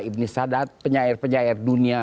ibni sadat penyair penyair dunia